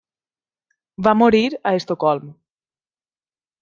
Va morir a Estocolm.